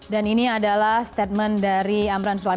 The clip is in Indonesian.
dan ini adalah statement dari amran sulaiman